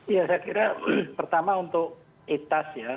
iya saya kira pertama untuk itas ya